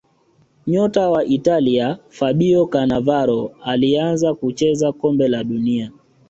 nyota wa italia fabio canavaro alianza kucheza kombe la dunia